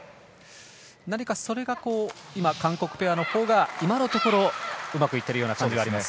それが韓国ペアのほうが今のところうまくいってるような感じがあります。